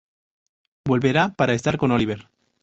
Volverá para estar con Oliver.